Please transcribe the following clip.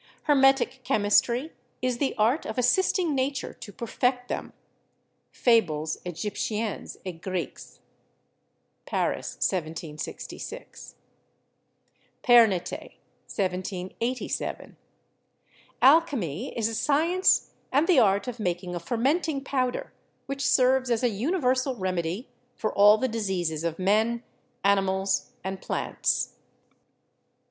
Hermetic chemistry is the art of assisting Nature to perfect them." ("Fables Egyp tiennes et Grecques," Paris, 1766.) Pernety (1787). "Alchemy is a science and the art of making a fermenting powder which serves as a universal remedy for all the diseases of men, animals, and plants.